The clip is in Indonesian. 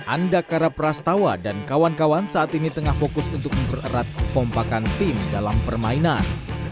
anda karap rastawa dan kawan kawan saat ini tengah fokus untuk mengerat pempakan tim dalam permainan